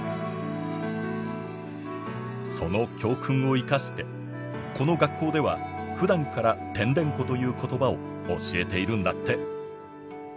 その教訓を生かしてこの学校ではふだんから「てんでんこ」という言葉を教えているんだって。